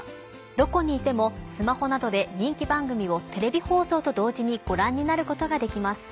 どこにいてもスマホなどで人気番組をテレビ放送と同時にご覧になることができます。